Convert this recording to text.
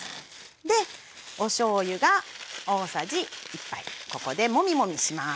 でおしょうゆが大さじ１杯ここでモミモミします。